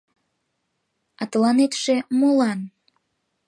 — А тыланетше молан?